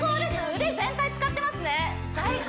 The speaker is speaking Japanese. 腕全体使ってますね最高！